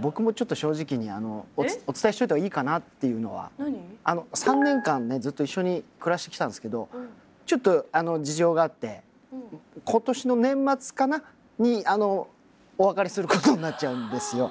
僕もちょっと正直にお伝えしといた方がいいかなっていうのはあの３年間ねずっと一緒に暮らしてきたんですけどちょっと事情があって今年の年末かなお別れすることになっちゃうんですよ。